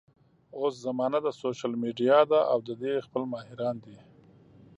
اوس زمانه د سوشل ميډيا ده او د دې خپل ماهران دي